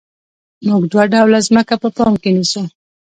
موږ دوه ډوله ځمکه په پام کې نیسو